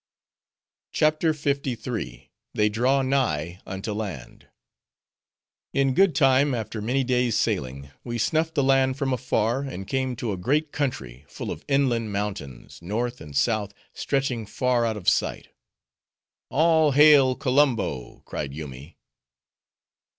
CHAPTER LIII. They Draw Nigh Unto Land In good time, after many days sailing, we snuffed the land from afar, and came to a great country, full of inland mountains, north and south stretching far out of sight. "All hail, Kolumbo!" cried Yoomy.